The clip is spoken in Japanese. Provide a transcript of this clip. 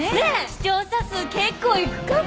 視聴者数結構いくかも。